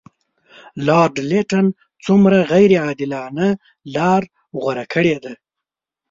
لارډ لیټن څومره غیر عادلانه لار غوره کړې ده.